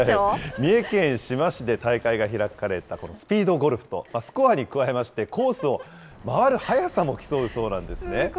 三重県志摩市で大会が開かれたこのスピードゴルフと、スコアに加えまして、コースを回る速さも競うそうなんですね。